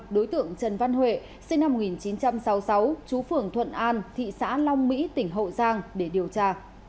lực lượng trần văn huệ sinh năm một nghìn chín trăm sáu mươi sáu trú phường thuận an thị xã long mỹ tỉnh hậu giang để điều tra